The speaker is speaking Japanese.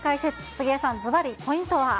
杉江さん、ずばり、ポイントは。